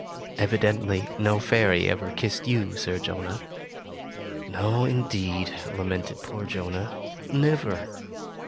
Evi dently, no fairy ever kissed you. Sir Jonah." "No, indeed," lamented poor Jonah, "never!"